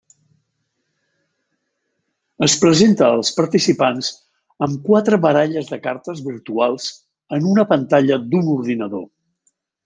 Es presenta als participants amb quatre baralles de cartes virtuals en una pantalla d'un ordinador.